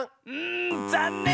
んざんねん！